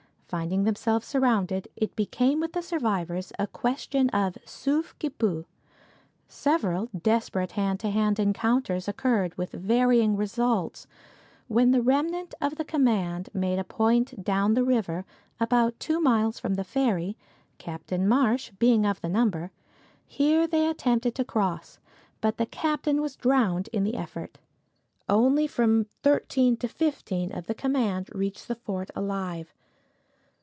Finding themselves surrounded, it became with the survivors a question of sauve qui peut. Several desperate hand to hand encounters occurred, with varying results, when the remnant of the command made a point down the river, about two miles from the ferry, Captain Marsh being of the number. Here they attempted to cross, but the captain was drowned in the effort. Only from thirteen to fifteen of the command reached the fort alive.